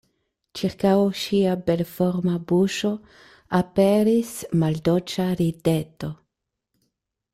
Ĉirkaŭ ŝia belforma buŝo aperis maldolĉa rideto.